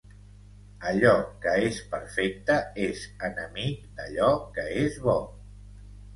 Allò que és perfecte és enemic d'allò que és bo